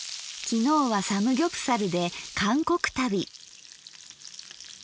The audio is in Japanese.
きのうはサムギョプサルで韓国旅。